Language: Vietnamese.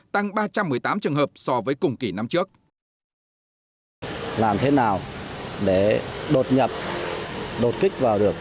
tăng ba trăm một mươi tám trường hợp so với cùng kỷ năm trước